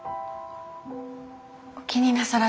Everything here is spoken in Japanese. お気になさらず。